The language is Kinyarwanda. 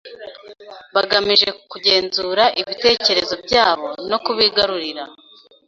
bagamije kugenzura ibitekerezo byabo no kubigarurira.